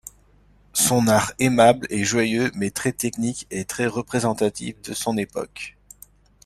Son art aimable et joyeux mais très technique est très représentatif de son époque.